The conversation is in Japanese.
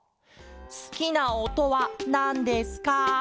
「すきなおとはなんですか？」。